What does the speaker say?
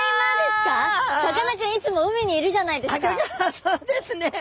そうですね。